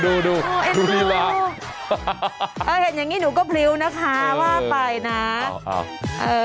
เอ็นตัวโอ้ยเห็นอย่างนี้หนูก็พริ้วนะคะว่าไปนะเออ